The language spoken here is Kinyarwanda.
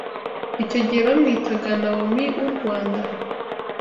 icyo gihe bamwitaga ‘Nawomi w’u Rwanda’